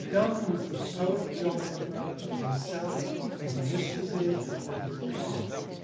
Donne was the poet geographer of himself, his mistresses, and his God.